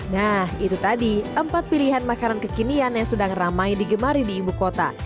nah itu tadi empat pilihan makanan kekinian yang sedang ramai digemari di ibu kota